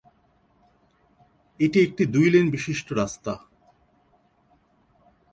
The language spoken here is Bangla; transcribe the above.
এটি একটি দুই লেন বিশিষ্ট রাস্তা।